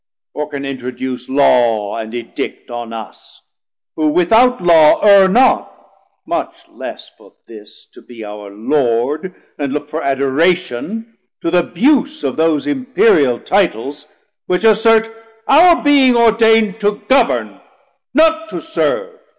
or can introduce Law and Edict on us, who without law Erre not, much less for this to be our Lord, And look for adoration to th' abuse Of those Imperial Titles which assert Our being ordain'd to govern, not to serve?